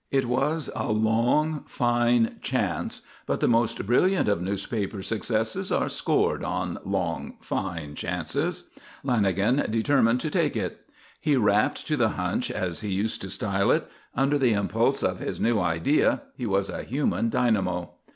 It was a long, fine chance; but the most brilliant of newspaper successes are scored on long, fine chances. Lanagan determined to take it. He "rapped" to the hunch, as he used to style it; under the impulse of his new idea he was a human dynamo.